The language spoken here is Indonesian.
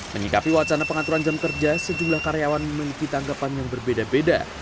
menyikapi wacana pengaturan jam kerja sejumlah karyawan memiliki tanggapan yang berbeda beda